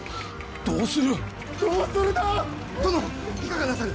どうする！？